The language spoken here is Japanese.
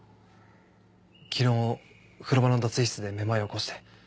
昨日風呂場の脱衣室で目まいを起こして。